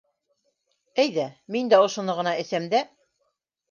Әйҙә, мин дә ошоно ғына әсәм дә...